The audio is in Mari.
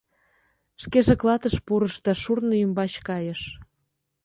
Шкеже клатыш пурыш да шурно ӱмбач кайыш.